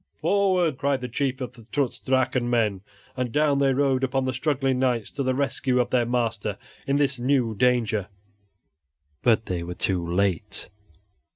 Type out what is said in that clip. "Forward!" cried the chief of the Trutz Drachen men, and down they rode upon the struggling knights to the rescue of their master in this new danger. But they were too late.